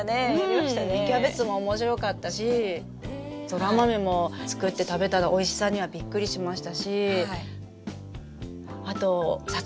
芽キャベツも面白かったしソラマメも作って食べたらおいしさにはびっくりしましたしあとサツマイモとかジャガイモ！